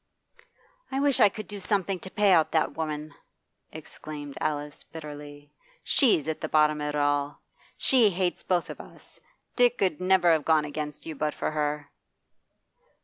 'I wish I could do something to pay out that woman!' exclaimed Alice bitterly. 'She's at the bottom of it all. She hates both of us. Dick 'ud never have gone against you but for her.